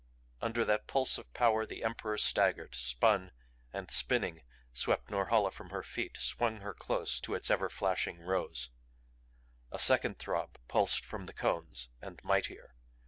Under that pulse of power the Emperor staggered, spun and spinning, swept Norhala from her feet, swung her close to its flashing rose. A second throb pulsed from the cones, and mightier.